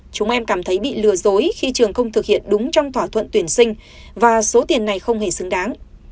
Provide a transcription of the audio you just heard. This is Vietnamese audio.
chúng em cảm thấy bị lừa dối khi trường không thực hiện đúng trong thỏa thuận tuyển sinh và số tiền này không hề xứng đáng